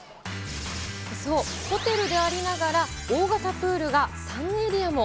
そう、ホテルでありながら、大型プールが３エリアも。